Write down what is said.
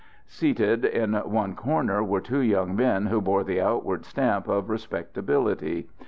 Seated in one corner were two young men who bore the outward stamp of respectability.